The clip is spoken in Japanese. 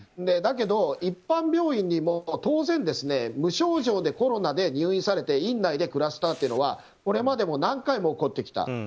だけど、一般病院にも当然無症状でコロナで入院されて院内でクラスターというのはこれまでも何回も起こってきた。